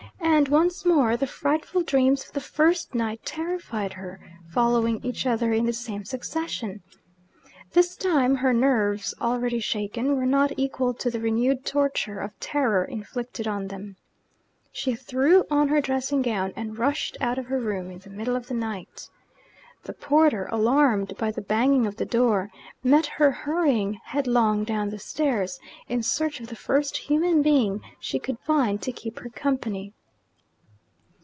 And, once more, the frightful dreams of the first night terrified her, following each other in the same succession. This time her nerves, already shaken, were not equal to the renewed torture of terror inflicted on them. She threw on her dressing gown, and rushed out of her room in the middle of the night. The porter, alarmed by the banging of the door, met her hurrying headlong down the stairs, in search of the first human being she could find to keep her company.